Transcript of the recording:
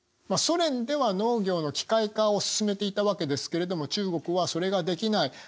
ソ連では農業の機械化を進めていたわけですけれども中国はそれができない。